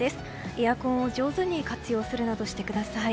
エアコンを上手に活用するなどしてください。